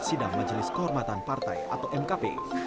sidang majelis kehormatan partai atau mkp